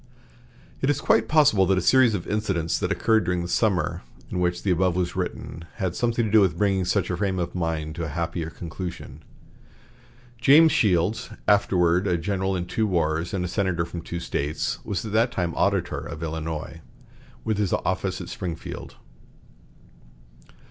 It is quite possible that a series of incidents that occurred during the summer in which the above was written had something to do with bringing such a frame of mind to a happier conclusion. James Shields, afterward a general in two wars and a senator from two States, was at that time auditor of Illinois, with his office at Springfield.